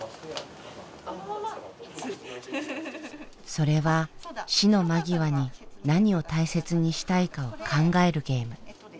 それは死の間際に何を大切にしたいかを考えるゲーム。